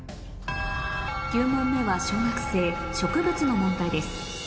９問目は小学生植物の問題です